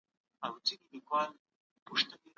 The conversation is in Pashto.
د دیني مراسمو ازادي د ټولني حق دی.